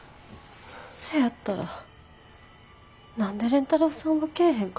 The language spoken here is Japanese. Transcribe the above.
せやったら何で蓮太郎さんは来えへんかったん？